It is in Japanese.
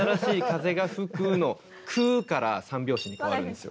「く」から３拍子に変わるんですよ。